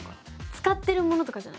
使ってるものとかじゃない？